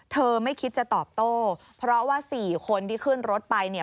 เธอไม่คิดจะตอบโต้เพราะว่า๔คนที่ขึ้นรถไป